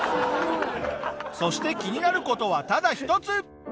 そして気になる事はただ一つ！